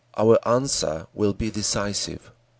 Our answer will be decisive.